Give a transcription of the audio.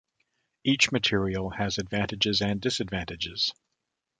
Each material type has advantages and disadvantages.